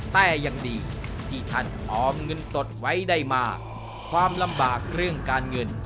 แต่ยังดีที่ท่านออมเงินสดไว้ได้มากความลำบากเรื่องการเงิน